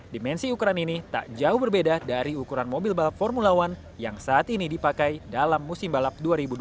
dimensi ukuran ini tak jauh berbeda dari ukuran mobil balap formula one yang saat ini dipakai dalam musim balap dua ribu dua puluh